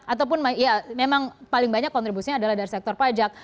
ataupun ya memang paling banyak kontribusinya adalah dari sektor pajak